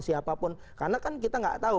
siapapun karena kan kita gak tau